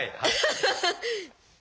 ハハハハ！